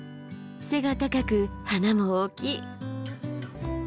背が高く花も大きい。